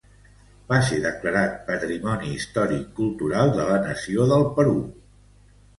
Va ser declarat Patrimoni Històric Cultural de la Nació del Perú.